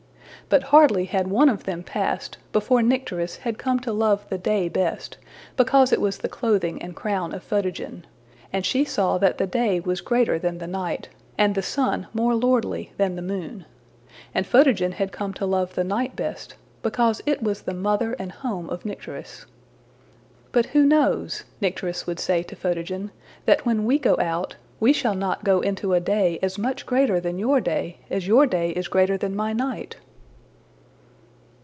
But hardly had one of them passed, before Nycteris had come to love the day best, because it was the clothing and crown of Photogen, and she saw that the day was greater than the night, and the sun more lordly than the moon; and Photogen had come to love the night best, because it was the mother and home of Nycteris. ``But who knows,'' Nycteris would say to Photogen, ``that when we go out, we shall not go into a day as much greater than your day as your day is greater than my night?''